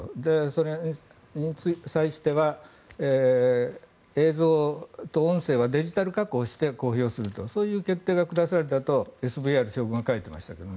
それに際しては映像と音声はデジタル加工して公表するとそういう決定が下されたとＳＶＲ将軍が書いてましたけど。